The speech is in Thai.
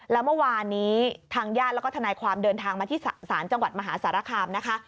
แล้วเมื่อวานนี้ทางญาติแล้วก็ทนายความเดินทางมาที่ศาลจังหวัดมหาสารคามนะคะ